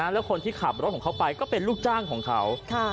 แล้วคนที่ขับรถของเขาไปก็เป็นลูกจ้างของเขา